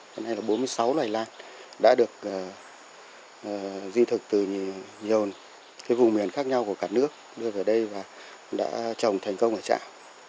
hôm nay là bốn mươi sáu loài lan đã được di thực từ nhiều vùng miền khác nhau của cả nước đưa về đây và đã trồng thành công ở trạm